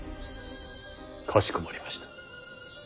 かしこまりました。